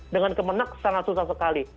dengan kemenak sangat susah sekali